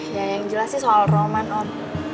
ya yang jelas sih soal roman on